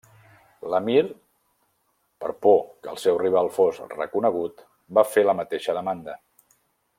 L'emir, per por que el seu rival fos reconegut, va fer la mateixa demanda.